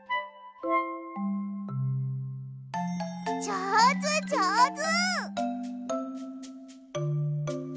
じょうずじょうず！